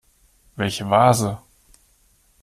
Welche Vase?